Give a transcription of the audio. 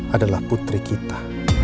adalah putri kita